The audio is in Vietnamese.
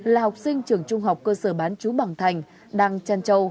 là học sinh trường trung học cơ sở bán chú bằng thành đặng trăn châu